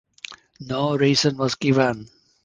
No reason was given.